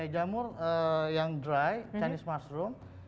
jamur yang dry chinese mushroom